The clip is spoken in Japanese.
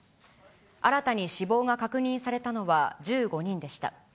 新たに死亡が確認されたのは１５人でした。